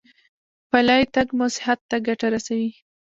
پلی تګ مو صحت ته ګټه رسوي.